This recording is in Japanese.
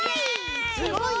すごい！